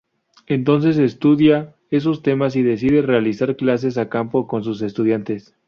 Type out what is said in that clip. Entonces estudia esos temas y decide realizar clases a campo con sus estudiantes.